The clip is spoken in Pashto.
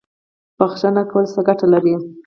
بخښنه کول څه ګټه لري؟